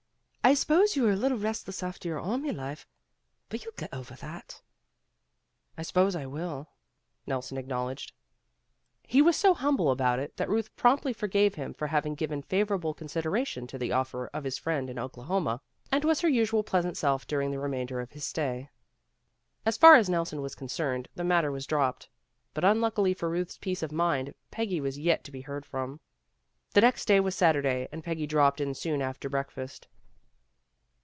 I suppose you are a little restless after your army life, but you'll get over that." "I suppose I will," Nelson acknowledged. 134 PEGGY RAYMOND'S WAY He was so humble about it that Ruth promptly forgave him for having given favorable con sideration to the* offer of his friend in Okla homa, and was her usual pleasant self during the remainder of his stay. As far as Nelson was concerned, the matter was dropped, but unluckily for Ruth's peace of mind Peggy was yet to be heard from. The next day was Saturday and Peggy dropped in soon after breakfast.